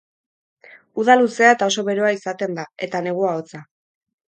Uda luzea eta oso beroa izaten da, eta negua hotza.